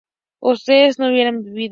ustedes no hubiesen vivido